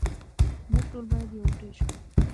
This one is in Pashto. موږ ټول باید یو موټی شو.